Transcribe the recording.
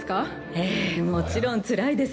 ええもちろんつらいです。